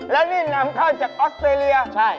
แล้วนี่นำเข้าจากออสเตรเลีย